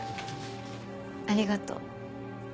ありがとう。